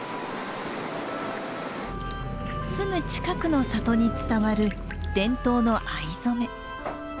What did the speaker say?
すぐ近くの里に伝わる伝統の藍染め。